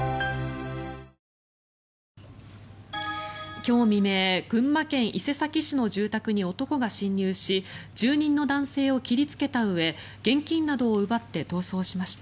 今日未明群馬県伊勢崎市の住宅に男が侵入し住人の男性を切りつけたうえ現金などを奪って逃走しました。